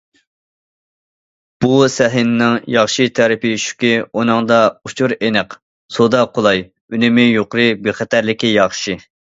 بۇ سەھنىنىڭ ياخشى تەرىپى شۇكى، ئۇنىڭدا ئۇچۇر ئېنىق، سودا قولاي، ئۈنۈمى يۇقىرى، بىخەتەرلىكى ياخشى.